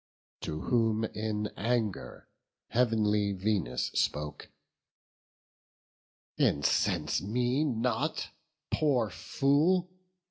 To whom in anger heav'nly Venus spoke: "Incense me not, poor fool!